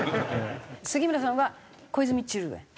杉村さんは小泉チルドレン。